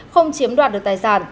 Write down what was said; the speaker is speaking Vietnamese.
không chiếm đoạt được tài sản